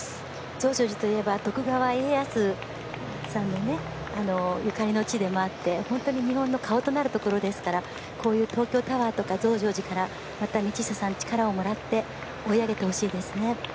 増上寺といえば徳川家康さんのゆかりの地でもあって本当に日本の顔となるところですからこういう東京タワーとか増上寺から道下さんは力をもらって追い上げてほしいですね。